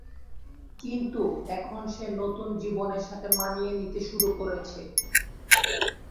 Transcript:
কিন্তু এখন সে নতুন জীবনের সাথে মানিয়ে নিতে শুরু করেছে।